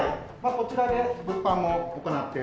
こちらで物販も行っております。